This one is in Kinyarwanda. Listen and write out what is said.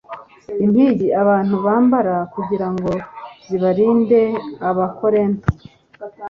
impigi abantu bambara kugira ngo zibarinde abakorinto